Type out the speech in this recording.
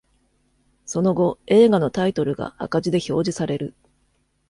その後、映画のタイトルが赤字で表示される。